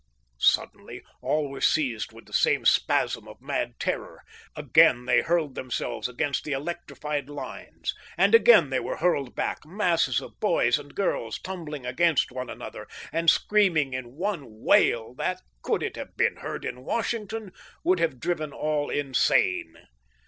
Suddenly all were seized with the same spasm of mad terror. Again they hurled themselves against the electrified lines, and again they were hurled back, masses of boys and girls tumbling against one another, and screaming in one wail that, could it have been heard in Washington, would have driven all insane.